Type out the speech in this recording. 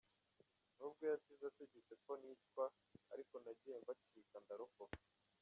Nubwo yasize ategetse ko nicwa ariko nagiye mbacika ndarokoka.